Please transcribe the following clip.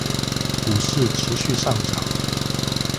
股市持續上漲